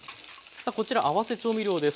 さあこちら合わせ調味料です。